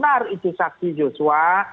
benar itu saksi joshua